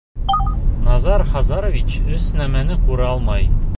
Назар Хазарович өс нәмәне күрә алмай.